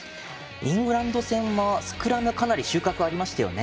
イングランド戦、スクラムかなり収穫ありましたよね。